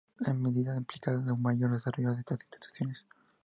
La medida implicaba dar un mayor desarrollo a estas instituciones.